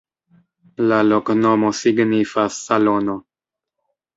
La loknomo signifas: salono.